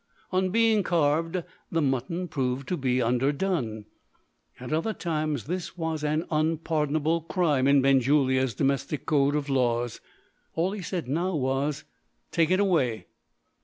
On being carved, the mutton proved to be underdone. At other times, this was an unpardonable crime in Benjulia's domestic code of laws. All he said now was, "Take it away."